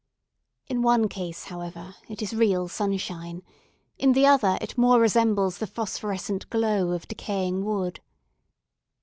In one case, however, it is real sunshine; in the other, it more resembles the phosphorescent glow of decaying wood.